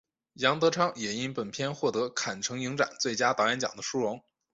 杨德昌也因本片获得坎城影展最佳导演奖的殊荣。